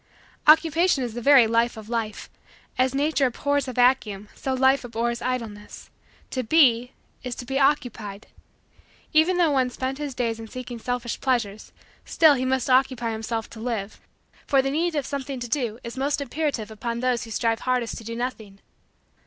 Occupation is the very life of Life. As nature abhors a vacuum so life abhors idleness. To be is to be occupied. Even though one spend his days in seeking selfish pleasures still must he occupy himself to live, for the need of something to do is most imperative upon those who strive hardest to do nothing.